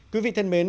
quý vị thân mến